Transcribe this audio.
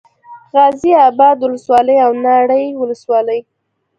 غازي اباد ولسوالي او ناړۍ ولسوالي